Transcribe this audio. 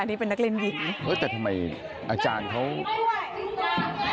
อันนี้เป็นนักเรียนหญิงเฮ้ยแต่ทำไมอาจารย์เขา